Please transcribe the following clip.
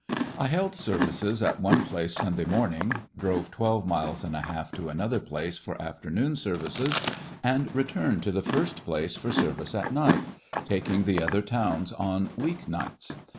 I held services at one place Sunday morning, drove twelve miles and a half to an other place for afternoon services, and re turned to the first place for service at night, taking the other towns on week nights.